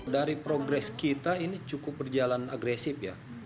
dari progres kita ini cukup berjalan agresif ya